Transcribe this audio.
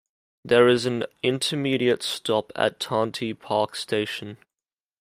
There is an intermediate stop at Tanti Park station.